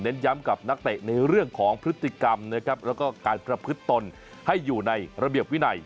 ย้ำกับนักเตะในเรื่องของพฤติกรรมนะครับแล้วก็การประพฤติตนให้อยู่ในระเบียบวินัย